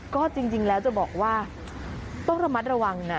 ก็จริงแล้วจะบอกว่าต้องระมัดระวังนะ